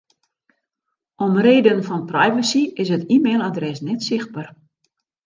Om reden fan privacy is it e-mailadres net sichtber.